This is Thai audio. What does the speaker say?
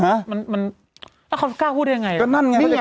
แล้วเขากล้าพูดอย่างไร